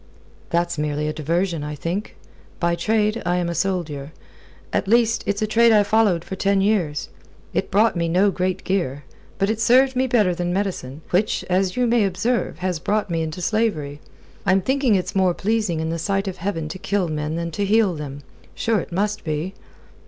"That's merely a diversion, I think. By trade I am a soldier at least, it's a trade I followed for ten years. It brought me no great gear, but it served me better than medicine, which, as you may observe, has brought me into slavery. I'm thinking it's more pleasing in the sight of Heaven to kill men than to heal them. Sure it must be."